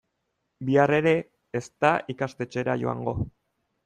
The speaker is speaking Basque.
Bihar ere ez da ikastetxera joango.